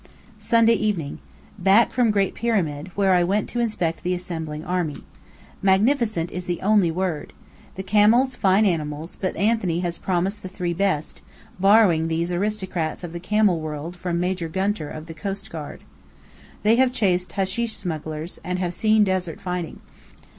Sunday Evening: Back from Great Pyramid, where I went to inspect the assembling army. Magnificent is the only word! The camels fine animals, but Anthony has provided the three best, borrowing these aristocrats of the camel world from Major Gunter of the Coast Guard. They have chased hasheesh smugglers, and have seen desert fighting.